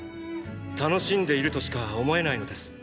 楽しんでいるとしか思えないのです。